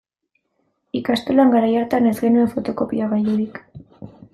Ikastolan garai hartan ez genuen fotokopiagailurik.